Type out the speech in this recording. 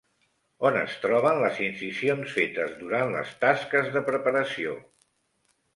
On es troben les incisions fetes durant les tasques de preparació?